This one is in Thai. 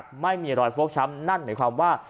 คอไม่หักไม่มีรอยโฟกช้ำนั่นเหมือนความว่า